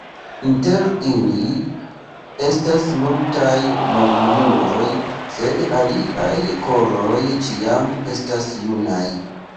Inter ili estas multaj maljunuloj, sed iliaj koroj ĉiam estas junaj.